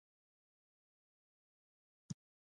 د افغانستان د شاملولو پلان درلود.